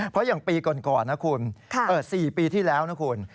เพราะอย่างปีก่อนนะคุณ๔ปีที่แล้วนะคุณ